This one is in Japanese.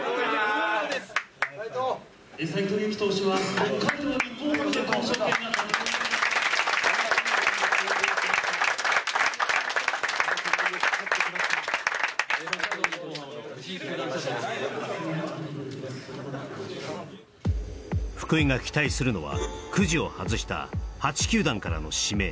一方この時点で福井が期待するのはクジを外した８球団からの指名